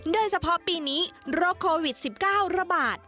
โดยเฉพาะปีนี้โรคโควิด๑๙ระบาด